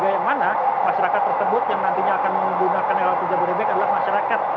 yang mana masyarakat tersebut yang nantinya akan menggunakan lrt jabodetabek adalah masyarakat